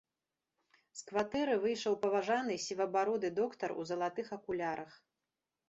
З кватэры выйшаў паважаны сівабароды доктар у залатых акулярах.